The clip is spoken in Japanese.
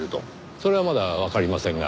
それはまだわかりませんが。